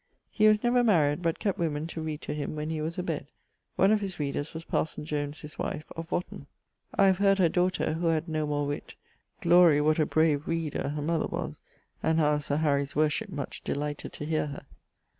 He was never maried, but kept woemen to reade to him when he was a bed. One of his readers was parson Jones his wife of Wotton. I have heard her daughter (who had no more witt) glory what a brave reader her mother was and how Sir Harry's worship much delighted to heare her.